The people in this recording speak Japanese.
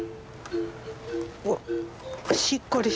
うわっ